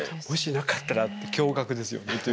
もしなかったら驚がくですよね。